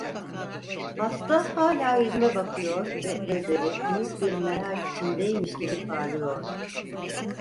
Hasta hâlâ yüzüme bakıyor ve gözleri, büyük bir merak içindeymiş gibi parlıyordu.